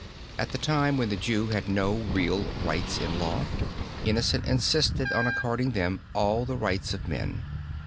At a time when the Jew had no real rights in law, Innocent insisted on according them all the rights of men.